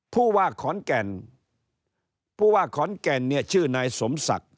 ผู้ว่าขอนแก่นผู้ว่าขอนแก่นเนี่ยชื่อนายสมศักดิ์